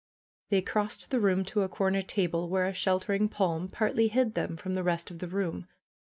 They crossed the room to a corner table where a sheltering palm partly hid them from the rest of the room.